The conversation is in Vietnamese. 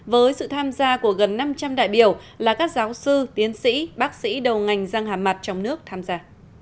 với sự tham gia của gần năm trăm linh đại biểu là các giáo sư tiến sĩ bác sĩ đầu ngành răng hà mặt trong nước tham gia